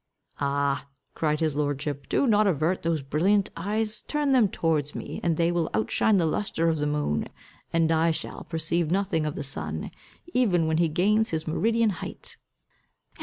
"Ah," cried his lordship, "do not avert those brilliant eyes! Turn them towards me, and they will outshine the lustre of the morn, and I shall perceive nothing of the sun, even when he gains his meridian height."